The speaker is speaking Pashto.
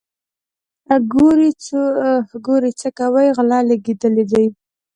ګورئ څو کوئ غله لګېدلي دي.